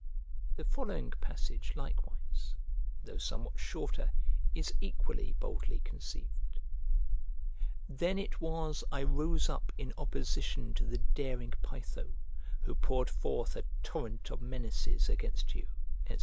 The following passage likewise, though somewhat shorter, is equally boldly conceived: "Then it was I rose up in opposition to the daring Pytho, who poured forth a torrent of menaces against you," &c.